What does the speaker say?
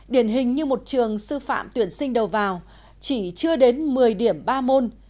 điển hình như một trường sư phạm tuyển sinh đầu vào chỉ chưa đến một mươi điểm ba môn